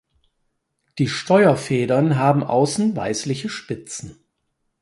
Die Steuerfedern haben außen weißliche Spitzen.